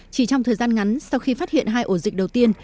chỉ trong thời gian ngắn sau khi phát hiện hai ổ dịch đầu tiên